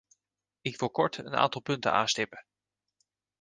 Ik wil kort een aantal punten aanstippen.